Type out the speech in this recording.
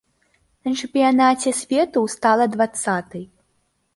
На чэмпіянаце свету стала дваццатай.